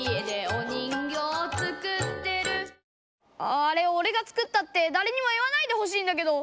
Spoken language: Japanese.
あああれおれが作ったってだれにも言わないでほしいんだけど。